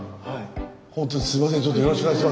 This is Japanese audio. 本当すいませんちょっとよろしくお願いします。